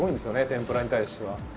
天ぷらに対しては。